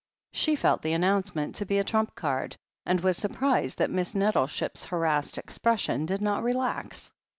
She felt the announcement to be a trump card, and was surprised that Miss Nettleship's harassed expres sion did not relax.